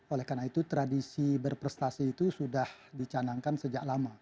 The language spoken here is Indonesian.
oleh karena itu tradisi berprestasi itu sudah dicanangkan sejak lama